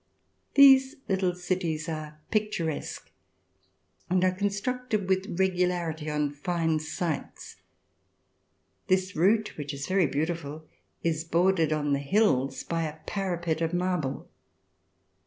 These little cities are pictur esque, and are constructed with regularity on fine sites. This route which is very beautiful is bordered on all the hills by a parapet of marble.